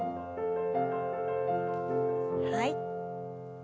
はい。